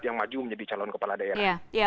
yang maju menjadi calon kepala daerah